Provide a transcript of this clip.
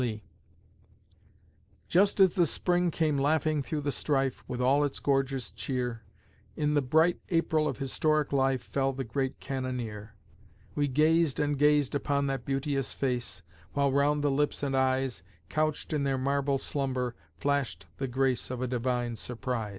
LEE Just as the Spring came laughing through the strife, With all its gorgeous cheer; In the bright April of historic life, Fell the great cannoneer.... We gazed and gazed upon that beauteous face, While round the lips and eyes, Couched in their marble slumber, flashed the grace Of a divine surprise.